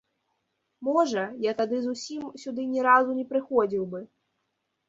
Можа, я тады зусім сюды ні разу не прыходзіў бы.